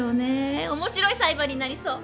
面白い裁判になりそう！